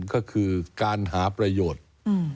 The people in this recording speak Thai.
ก็คือการหาประโยชน์